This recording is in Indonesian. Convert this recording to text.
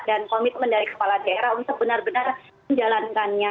dan komitmen dari kepala daerah untuk benar benar menjalankannya